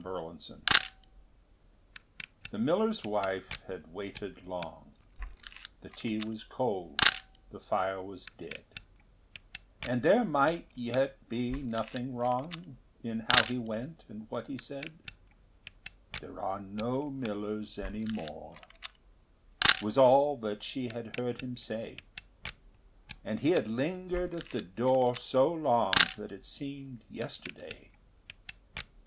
The Mill The miller's wife had waited long, The tea was cold, the fire was dead; And there might yet be nothing wrong In how he went and what he said: "There are no millers any more," Was all that she had heard him say; And he had lingered at the door So long that it seemed yesterday.